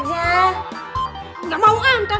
nggak mau angkat